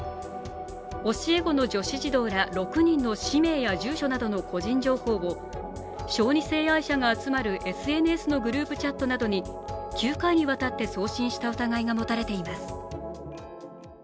教え子の女子児童ら６人の氏名や住所などの個人情報を小児性愛者が集まるＳＮＳのグループチャットなどに９回にわたって送信した疑いが持たれています。